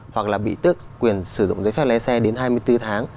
hoặc là bị tước quyền sử dụng giấy phép lái xe đến hai mươi bốn tháng